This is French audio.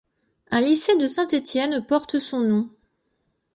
Un lycée de Saint-Étienne porte son nom.